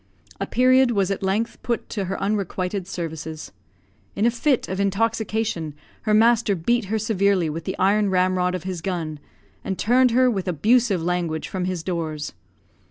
A period was at length put to her unrequited services. In a fit of intoxication her master beat her severely with the iron ramrod of his gun, and turned her, with abusive language, from his doors.